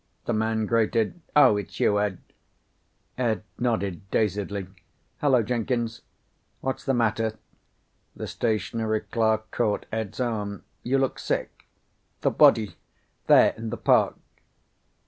the man grated, "Oh, it's you, Ed." Ed nodded dazedly. "Hello, Jenkins." "What's the matter?" The stationery clerk caught Ed's arm. "You look sick." "The body. There in the park."